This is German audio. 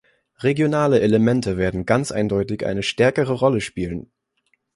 Regionale Elemente werden ganz eindeutig eine stärkere Rolle spielen.